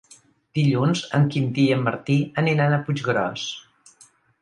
Dilluns en Quintí i en Martí aniran a Puiggròs.